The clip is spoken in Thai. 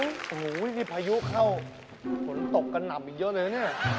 นี่สีพายุเข้าฝนตกกำหนัมอีกเยอะเลยนะเนี่ย